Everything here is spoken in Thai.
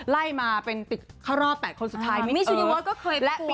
ไล่มาเป็นติดข้ารอดแปดคนสุดท้ายมิสยูนิเวิร์ดก็เคยประกวด